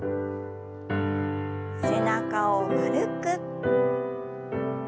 背中を丸く。